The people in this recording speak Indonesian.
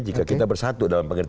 jika kita bersatu dalam pengertian